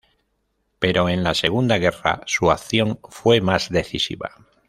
Pero en la Segunda Guerra, su acción fue más decisiva.